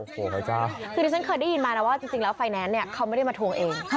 ก็คือที่ฉันเคยได้ยินมาแล้วว่าจริงแล้วฟัยแนนซ์นี่เขาไม่ได้มาทวงเอง